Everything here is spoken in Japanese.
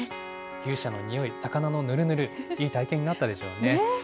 牛舎のにおい、魚のぬるぬる、いい体験になったでしょうね。